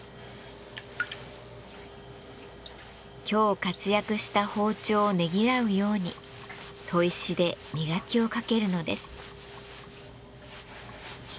今日活躍した包丁をねぎらうように砥石で磨きをかけるのです。